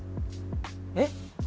えっ？